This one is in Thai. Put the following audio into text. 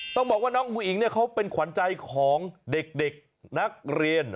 ต้องบอกว่าน้องอุ๋อิ๋งเนี่ยเขาเป็นขวัญใจของเด็กนักเรียน